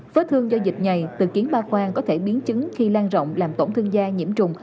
vết thương do dịch nhầy từ kiến ba khoang có thể biến chứng khi lan rộng làm tổn thương da nhiễm trùng